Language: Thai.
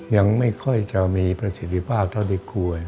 ยังไม่ค่อยจะมีประสิทธิภาพเท่าที่ควร